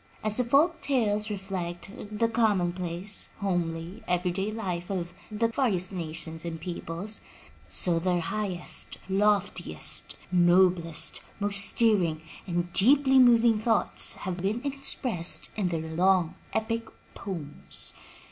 As the folk tales reflect the commonplace, homely, every day life of the various nations and peoples, so their highest, loftiest, noblest, most stirring and deeply moving thoughts have been expressed in their long epic poems.